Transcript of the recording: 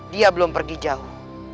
dia belum pergi jauh